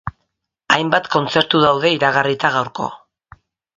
Hainbat kontzertu daude iragarrita gaurko.